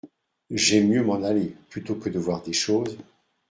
J’aime mieux m’en aller ! plutôt que de voir des choses…